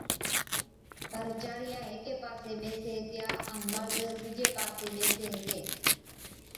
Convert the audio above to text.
پر چاڙِيا ھيڪي پاسي ٻيسي ھِتيا ائُون مرد ڏُوجي پاسي ٻيسي ھِتي